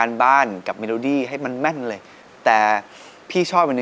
เพราะว่าเพราะว่าเพราะว่าเพราะ